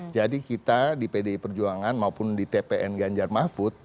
jadi kita di pdi perjuangan maupun di tpn ganjar mahfud